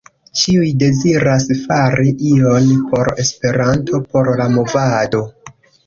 Ĉiuj deziras fari ion por Esperanto, por la movado.